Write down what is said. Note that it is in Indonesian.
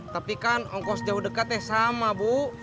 tapi kan ongkos jauh dekat ya sama bu